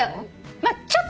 まあちょっとよ。